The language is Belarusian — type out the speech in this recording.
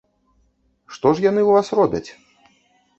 Што ж яны ў вас робяць?